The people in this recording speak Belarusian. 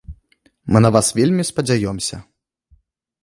Мы на вас вельмі спадзяёмся.